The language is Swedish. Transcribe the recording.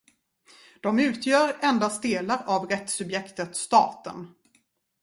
De utgör endast delar av rättssubjektet staten.